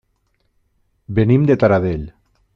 Venim de Taradell.